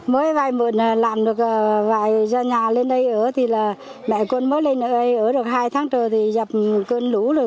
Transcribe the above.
nếu vay mượn làm được vài nhà lên đây ở thì là mẹ con mới lên ở đây ở được hai tháng trời thì dập cơn lũ rồi